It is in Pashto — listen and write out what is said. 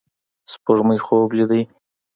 سپوږمۍ خوب لیدې